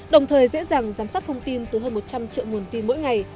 đồng thời dễ dàng giám sát thông tin từ hơn một trăm linh triệu nguồn tin mỗi ngày